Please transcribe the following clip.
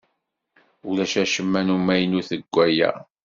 Ulac acemma n umaynut deg waya.